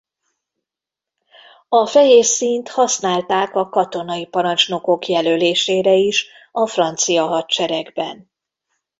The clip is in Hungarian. A fehér színt használták a katonai parancsnokok jelölésére is a francia hadseregben.